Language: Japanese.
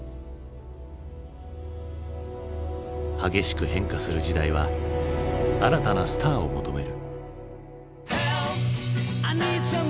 激しく変化する時代は新たなスターを求める。